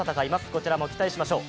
こちらも期待しましょう。